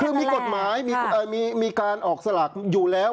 คือมีกฎหมายมีการออกสลากอยู่แล้ว